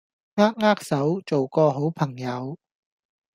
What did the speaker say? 扼扼手做個好朋友